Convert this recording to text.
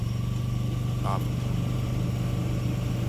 腌屁